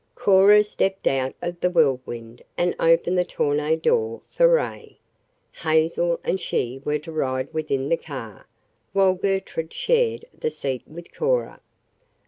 Cora stepped out of the Whirlwind and opened the tonneau door for Ray. Hazel and she were to ride within the car, while Gertrude shared the seat with Cora.